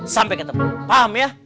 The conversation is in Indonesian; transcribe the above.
sampai ketemu paham ya